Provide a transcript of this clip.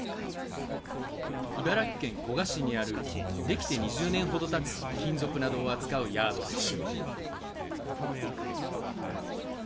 茨城県古河市にある、出来て２０年ほどたつ、金属などを扱うヤードです。